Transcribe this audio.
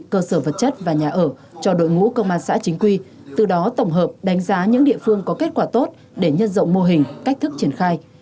cơ sở vật chất và nhà ở cho đội ngũ công an xã chính quy từ đó tổng hợp đánh giá những địa phương có kết quả tốt để nhân rộng mô hình cách thức triển khai